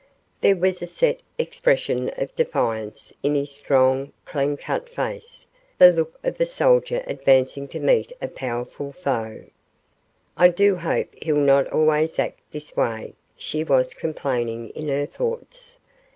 There was a set expression of defiance in his strong, clean cut face, the look of a soldier advancing to meet a powerful foe. "I do hope he'll not always act this way," she was complaining in her thoughts.